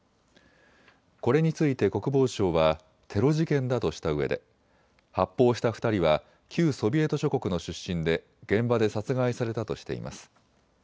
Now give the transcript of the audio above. これについて国防省はテロ事件だとしたうえで発砲した２人は旧ソビエト諸国の出身で現場で殺害されたとしています。